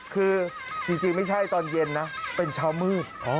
คือจริงไม่ใช่ตอนเย็นนะเป็นเช้ามืด